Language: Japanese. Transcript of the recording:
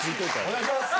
・お願いします！